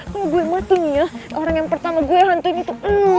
kalau gue mati nih ya orang yang pertama gue hantuin itu